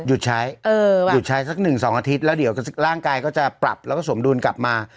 หยุดใช้เออหยุดใช้สักหนึ่งสองอาทิตย์แล้วเดี๋ยวก็ร่างกายก็จะปรับแล้วก็สมดูลกลับมา